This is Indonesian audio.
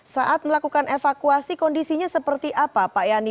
saat melakukan evakuasi kondisinya seperti apa pak yani